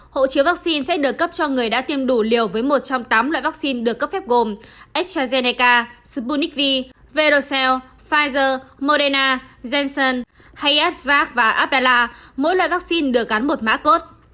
hộ chiếu vaccine sẽ được cấp cho người đã tiêm đủ liều với một trong tám loại vaccine được cấp phép gồm astrazeneca sputnik v verocell pfizer moderna janssen hayes vac và abdala mỗi loại vaccine được gắn một má cốt